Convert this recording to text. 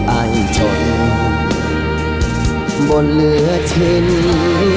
อายจนบนเหลือที่นี้